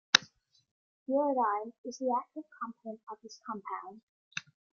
Uridine is the active component of this compound.